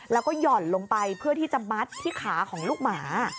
แล้วก็หย่อนลงไปเพื่อที่จะมัดที่ขาของลูกหมา